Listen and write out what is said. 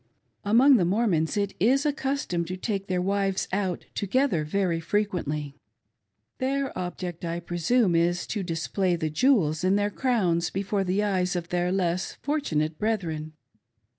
Among the Mormons it is a custom to take their wives out together very frequently. Their object, I presume, is to dis play the " jewels " in their crowns before the eyes of their less fortunate brethren.